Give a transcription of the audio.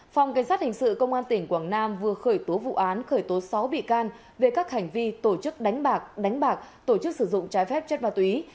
phòng cảnh sát hình sự công an tỉnh quảng nam vừa khởi tố vụ án khởi tố sáu bị can về các hành vi tổ chức đánh bạc đánh bạc tổ chức sử dụng trái phép chất ma túy